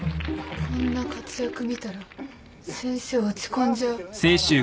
こんな活躍見たら先生落ち込んじゃう。